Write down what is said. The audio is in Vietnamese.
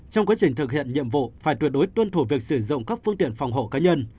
trong quá trình thực hiện nhiệm vụ phải tuyệt đối tuân thủ việc sử dụng các phương tiện phòng hộ cá nhân